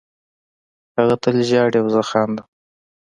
هغه تل ژاړي او زه خاندم